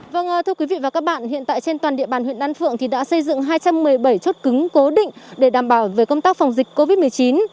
vâng thưa quý vị và các bạn hiện tại trên toàn địa bàn huyện đan phượng thì đã xây dựng hai trăm một mươi bảy chốt cứng cố định để đảm bảo về công tác phòng dịch covid một mươi chín